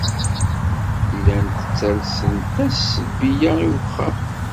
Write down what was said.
Llant ttalsent-as ssbiɣa i wexxam.